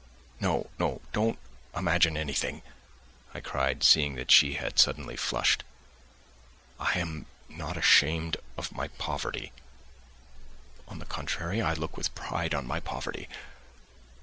"No, no, don't imagine anything," I cried, seeing that she had suddenly flushed. "I am not ashamed of my poverty.... On the contrary, I look with pride on my poverty.